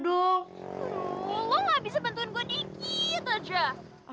aduh lo gak bisa bantuan gue dikit aja